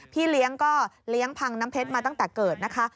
พี่เลี้ยงก็เลี้ยงพังน้ำเพชรมาตั้งแต่เกิดนะคะ